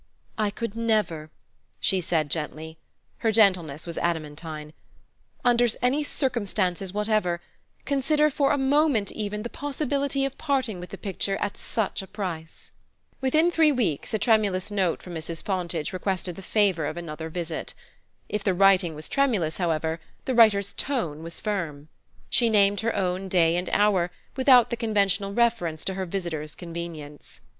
"I could never," she said gently her gentleness was adamantine "under any circumstances whatever, consider, for a moment even, the possibility of parting with the picture at such a price." II Within three weeks a tremulous note from Mrs. Fontage requested the favor of another visit. If the writing was tremulous, however, the writer's tone was firm. She named her own day and hour, without the conventional reference to her visitor's convenience.